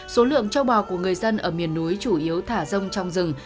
số lượng châu bò của người dân ở miền núi chủ yếu thả rông trong rừng